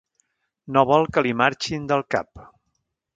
No vol que li marxin del cap.